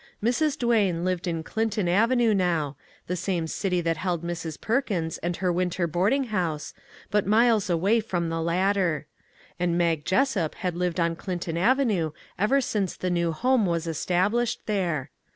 Mrs. Duane lived in Clinton avenue now, the same city that held Mrs. Perkins and her winter boarding house, but miles away from the latter ; and Mag Jessup had lived on Clinton avenue ever since the new home was established there.